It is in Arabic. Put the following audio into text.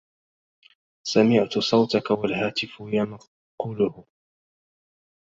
سمعت صوتك والهتاف ينقله